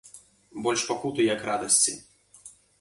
Больш пакуты, як радасці.